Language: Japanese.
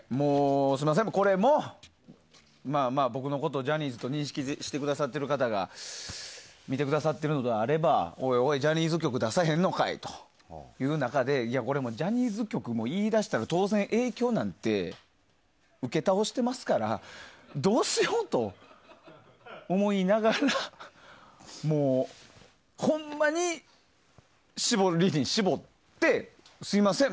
すみません、これも僕のことジャニーズと認識してくださってる方が見てくださっているのであればおいおいジャニーズ曲出せへんのかいという中でいや、ジャニーズ曲も当然、影響なんて受け倒してますからどうしようと思いながらもう、ほんまに絞りに絞ってすみません。